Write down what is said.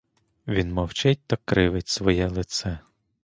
Він мовчить та кривить своє лице.